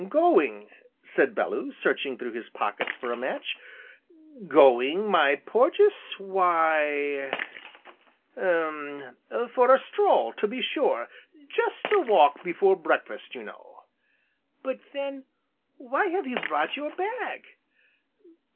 "Going," said Bellew, searching through his pockets for a match, "going, my Porges, why er for a stroll, to be sure, just a walk before breakfast, you know." "But then why have you brought your bag?"